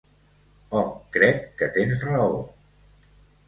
Oh, crec que tens raó.